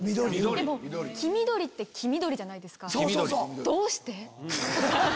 でも黄緑って黄緑じゃないですか。